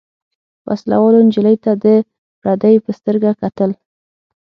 وسله والو نجلۍ ته د پردۍ په سترګه کتل.